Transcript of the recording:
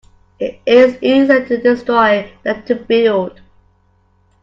It is easier to destroy than to build.